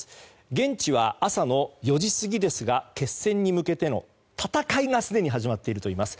現地は朝の４時過ぎですが決戦に向けての戦いがすでに始まっているといいます。